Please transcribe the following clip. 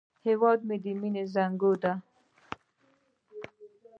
هېواد مو د مینې زانګو ده